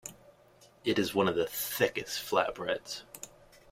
It is one of the thickest flat breads.